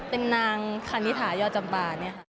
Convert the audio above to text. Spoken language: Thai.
เป็นนางคณิฐายอจำบา